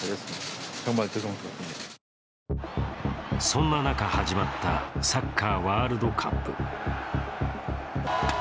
そんな中始まったサッカーワールドカップ。